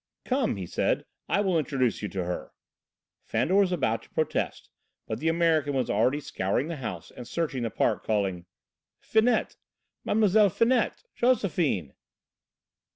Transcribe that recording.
"Come," he said, "I will introduce you to her." Fandor was about to protest, but the American was already scouring the house and searching the park, calling: "Finette, Mlle. Finette, Josephine!"